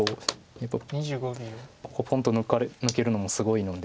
やっぱりポンと抜けるのもすごいので。